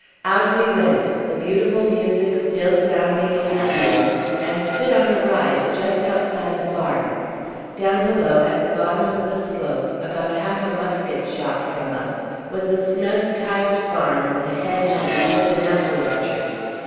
Out we went, the beautiful music still sounding in our ears, and stood on a rise just outside the barn. Down below at the bottom of the slope, about half a musket shot from us, was a snug tiled farm with a hedge and a bit of an apple orchard.